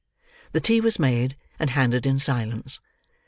The tea was made, and handed in silence.